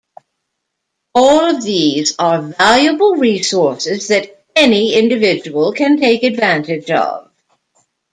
All of these are valuable resources that any individual can take advantage of.